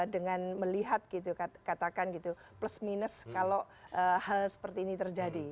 dengan melihat gitu katakan gitu plus minus kalau hal seperti ini terjadi